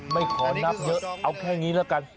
ไม่ขอนับเยอะเอาแค่นี้แล้วกัน